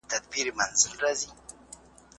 د قسم حق نه عين دی او نه منفعت دی.